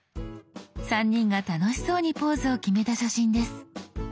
３人が楽しそうにポーズを決めた写真です。